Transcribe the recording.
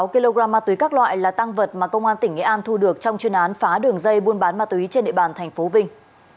sáu kg ma túy các loại là tăng vật mà công an tỉnh nghệ an thu được trong chuyên án phá đường dây buôn bán ma túy trên địa bàn tp vinh